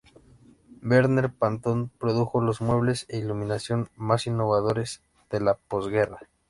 Verner Panton produjo los muebles e iluminación más innovadores de la posguerra.